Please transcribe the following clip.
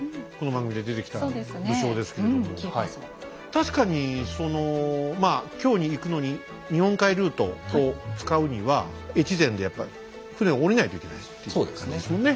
確かにそのまあ京に行くのに日本海ルートを使うには越前でやっぱり船を下りないといけないっていう感じですもんね。